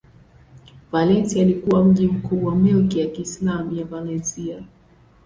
Valencia ilikuwa mji mkuu wa milki ya Kiislamu ya Valencia.